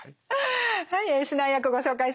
はい指南役ご紹介しましょう。